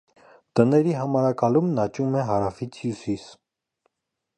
Տների համարակալումն աճում է հարավից հյուսիս։